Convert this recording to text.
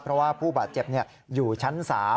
เพราะว่าผู้บาดเจ็บอยู่ชั้น๓